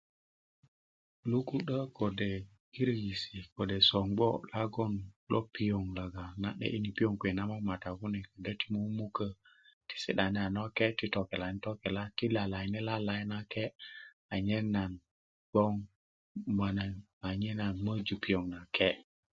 luku'dö ko de girigisi ko de sogbo logon na 'deiri piyoŋ nagon na mamata kune ködö ti muumukö ti si'dani loke ti tokelani a loke ti lalayini lalayi nake manyan gboŋ manyen nan möju piyoŋ nake